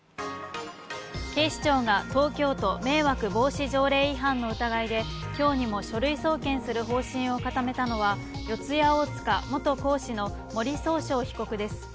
警視庁が東京都迷惑防止条例違反の疑いで今日にも書類送検する方針を固めたのは四谷大塚元講師の森崇翔被告です。